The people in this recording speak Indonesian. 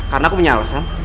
karena aku punya alasan